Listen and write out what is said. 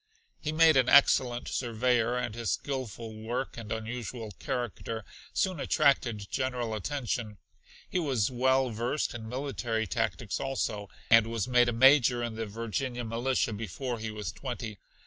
He made an excellent surveyor, and his skilful work and unusual character soon attracted general attention. He was well versed in military tactics also, and was made a Major in the Virginia militia before he was twenty.